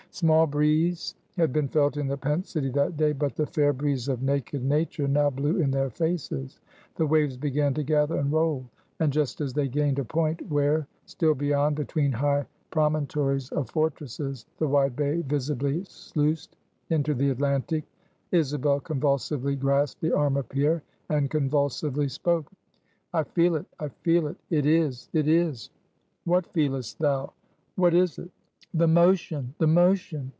Small breeze had been felt in the pent city that day, but the fair breeze of naked nature now blew in their faces. The waves began to gather and roll; and just as they gained a point, where still beyond between high promontories of fortresses, the wide bay visibly sluiced into the Atlantic, Isabel convulsively grasped the arm of Pierre and convulsively spoke. "I feel it! I feel it! It is! It is!" "What feelest thou? what is it?" "The motion! the motion!"